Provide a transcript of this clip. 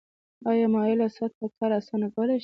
آیا مایله سطحه کار اسانه کولی شي؟